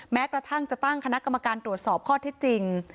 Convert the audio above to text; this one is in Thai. แม้กระทั่งจะตั้งคณะกรรมการตรวจสอบข้อเท็จจริง